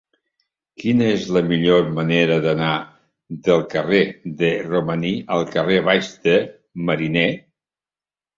Quina és la millor manera d'anar del carrer de Romaní al carrer Baix de Mariner?